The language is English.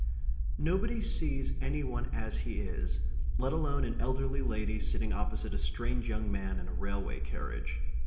Nobody sees any one as he is, let alone an elderly lady sitting opposite a strange young man in a railway carriage.